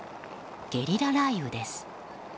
ゲリラ雷雨です。